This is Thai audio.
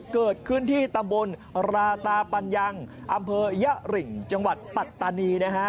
เกิดขึ้นที่ตำบลราตาปัญญังอำเภอยะริงจังหวัดปัตตานีนะฮะ